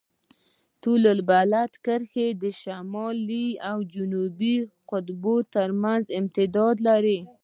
طول البلد کرښې شمالي او جنوبي اقطاب ترمنځ امتداد لري.